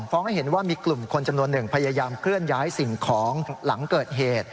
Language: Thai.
ให้เห็นว่ามีกลุ่มคนจำนวนหนึ่งพยายามเคลื่อนย้ายสิ่งของหลังเกิดเหตุ